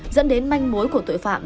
dẫn đến manh mối của tội phạm